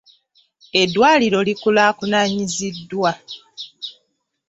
Eddwaliro likulaakulanyiziddwa.